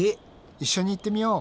一緒に行ってみよう！